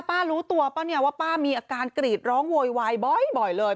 ป๊ารู้ตัวป๊าว่าป๊ามีอาการกรีดร้องโวยวายบ่อยเลย